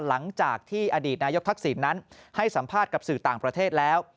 หลังจากที่อดีตนายกทักษิณนั้นให้สัมภาษณ์กับสื่อต่างประเทศแล้ว